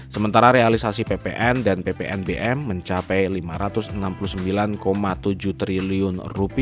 sementara realisasi ppn dan ppnbm mencapai rp lima ratus enam puluh sembilan tujuh triliun